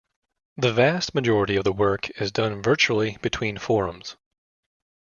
The vast majority of the work is done virtually between Forums.